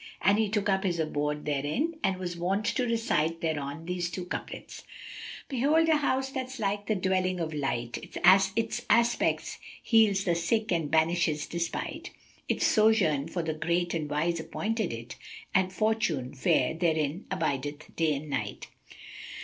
And he took up his abode therein and was wont to recite thereon these two couplets, "Behold a house that's like the Dwelling of Delight; [FN#260] * Its aspect heals the sick and banishes despite. Its sojourn for the great and wise appointed it, * And Fortune fair therein abideth day and night."